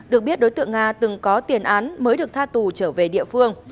được biết đối tượng nga từng có tiền án mới được tha tù trở về địa phương